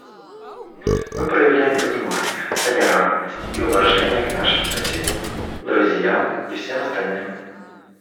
Мы проявляем понимание, толерантность и уважение к нашим соседям, друзьям и всем остальным.